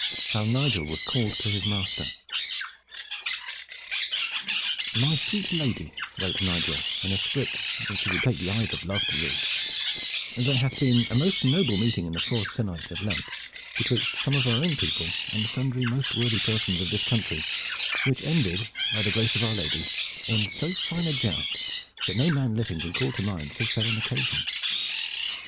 HOW NIGEL WAS CALLED TO HIS MASTER "My sweet ladye," wrote Nigel in a script which it would take the eyes of love to read, "there hath been a most noble meeting in the fourth sennight of Lent betwixt some of our own people and sundry most worthy persons of this country, which ended, by the grace of our Lady, in so fine a joust that no man living can call to mind so fair an occasion.